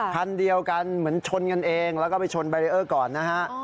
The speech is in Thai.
คันเดียวกันเหมือนชนกันเองแล้วก็ไปชนแบรีเออร์ก่อนนะฮะ